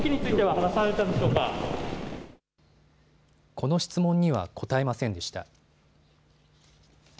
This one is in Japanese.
この質問には答えませんでした。